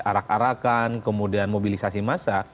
arak arakan kemudian mobilisasi massa